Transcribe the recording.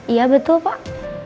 iya betul pak